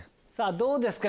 どうですか？